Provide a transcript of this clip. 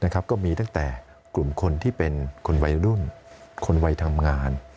ก็มีตั้งแต่กลุ่มคนที่เป็นคนวัยรุ่นคนวัยทำงาน